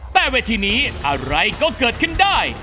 แต่เวทีนี้อะไรก็เกิดขึ้นได้